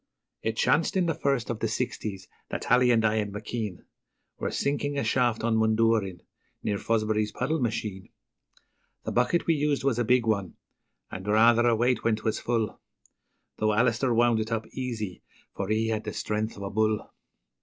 ..... It chanced in the first of the Sixties that Ally and I and McKean Were sinking a shaft on Mundoorin, near Fosberry's puddle machine. The bucket we used was a big one, and rather a weight when 'twas full, Though Alister wound it up easy, for he had the strength of a bull.